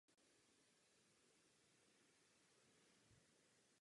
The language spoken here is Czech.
Loď se nepodařilo zachránit a byla prohlášena za ztracenou.